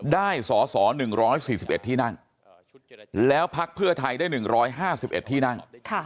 ได้สอสอ๑๔๑ที่นั่งแล้วพักเพื่อไทยได้๑๕๑ที่นั่ง